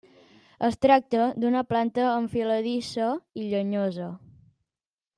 Es tracta d'una planta enfiladissa i llenyosa.